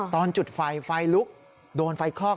ตอนจุดไฟไฟลุกโดนไฟคลอก